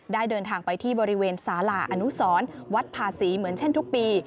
เดินทางไปที่บริเวณสาลาอนุสรวัดภาษีเหมือนเช่นทุกปี